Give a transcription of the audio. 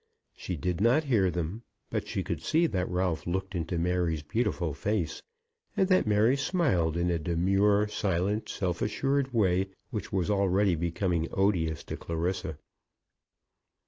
She did not hear them; but she could see that Ralph looked into Mary's beautiful face, and that Mary smiled in a demure, silent, self assured way which was already becoming odious to Clarissa.